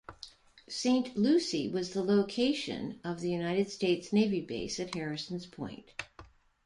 Saint Lucy was the location of a United States Navy base at Harrison's Point.